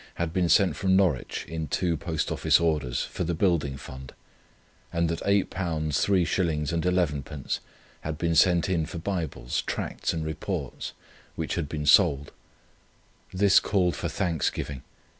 had been sent from Norwich in two Post Office Orders for the Building Fund, and that £8 3s. 11d. had been sent in for Bibles, Tracts, and Reports, which had been sold. This called for thanksgiving.